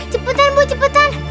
cepetan bu cepetan